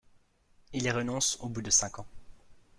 Il y renonce au bout de cinq ans.